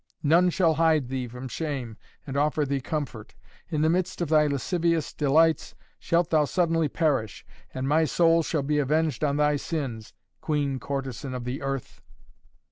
None shall hide thee from shame and offer thee comfort! In the midst of thy lascivious delights shalt thou suddenly perish, and my soul shall be avenged on thy sins, queen courtesan of the earth!"